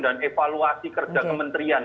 dan evaluasi kerja kementerian